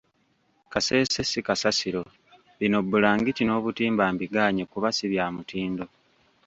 Kasese si kasasiro, bino bbulangiti n’obutimba mbigaanye kuba si bya mutindo.